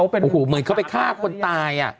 อันนี้คือเหมือนเขาไปฆ่าคนตาย